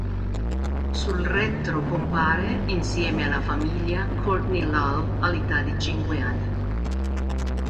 Sul retro compare, insieme alla famiglia, Courtney Love all'età di cinque anni.